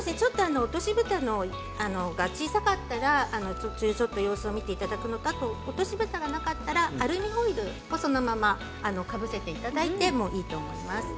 落としぶたが小さかったら途中、様子を見ていただくのと落としぶたがなかったらアルミホイルをそのままかぶせていただいてもいいと思います。